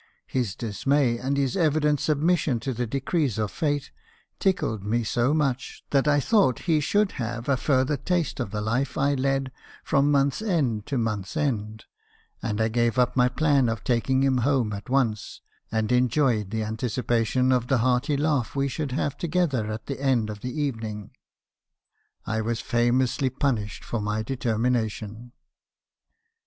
His dismay, and his evident submission to the decrees of Fate, tickled me so much , that I thought he should have a further taste of the life I led from month's end to month's end, and I gave up my plan of taking him home at once, and enjoyed the anticipation of the hearty laugh we should have together at the end of the evening. I was famously punished for my determi nation.